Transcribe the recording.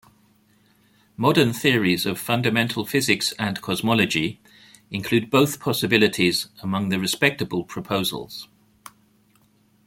Modern theories of fundamental physics and cosmology include both possibilities among the respectable proposals.